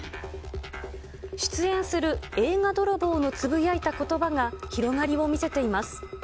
出演する映画泥棒のつぶやいたことばが広がりを見せています。